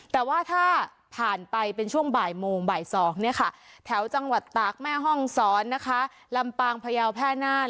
แต่ว่าถ้าผ่านไปเป็นช่วงบ่ายโมงบ่ายสองเนี่ยค่ะแถวจังหวัดตากแม่ห้องสอนลำปางพระเยาแพ้นาน